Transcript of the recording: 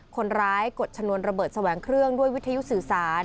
กดชนวนระเบิดแสวงเครื่องด้วยวิทยุสื่อสาร